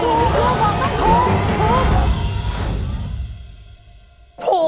เออถูกว่าต้องถูกถูก